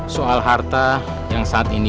soal harta yang saat ini